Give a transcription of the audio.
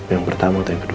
yang pertama atau yang kedua